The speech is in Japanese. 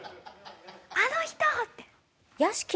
あの人！って。